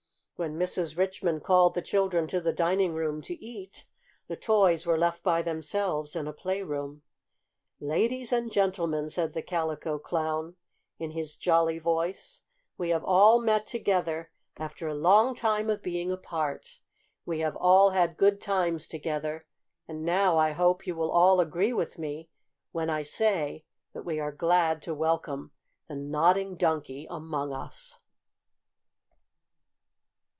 When Mrs. Richmond called the children to the dining room to eat, the toys were left by themselves in a playroom. "Ladies and Gentlemen," said the Calico Clown in his jolly voice, "we have all met together, after a long time of being apart. We have all had good times together, and now I hope you will all agree with me when I say that we are glad to welcome the Nodding Donkey among us."